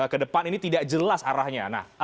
ke depan ini tidak jelas arahnya